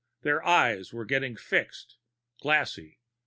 Their eyes were getting fixed, glassy.